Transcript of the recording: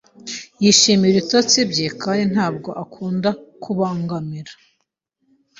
Yishimira ibitotsi bye kandi ntabwo akunda kubangamira.